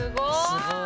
すごい！